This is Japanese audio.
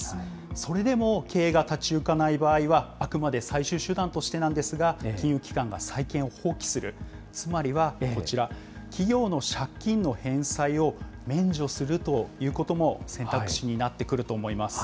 それでも経営が立ち行かない場合は、あくまで最終手段としてなんですが、金融機関が債権を放棄する、つまりはこちら、企業の借金の返済を免除するということも、選択肢になってくると思います。